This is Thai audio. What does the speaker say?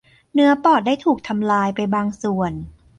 เนื้อปอดได้ถูกทำลายไปบางส่วน